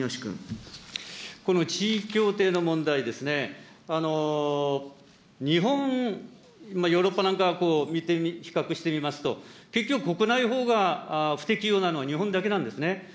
この地位協定の問題ですね、日本、ヨーロッパなんか見て、比較してみますと、結局、国内法が不適用なのは日本だけなんですね。